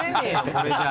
これじゃ。